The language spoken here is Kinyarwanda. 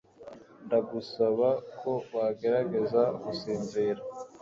Ndagusaba ko wagerageza gusinzira.